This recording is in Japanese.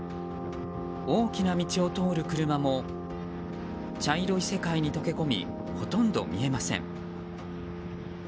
大きな道を通る車も茶色い世界に溶け込みほとんど見えません。